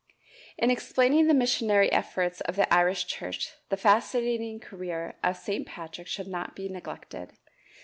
In explaining the missionary efforts of the Irish church, the fascinating career of St. Patrick should not be neglected.